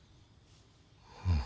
うん。